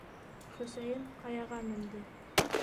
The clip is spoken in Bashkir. Хөсәйен ҡаяға менде.